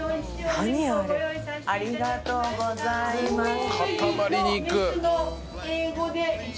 ありがとうございます。